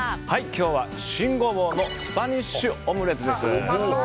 今日は新ゴボウのスパニッシュオムレツです。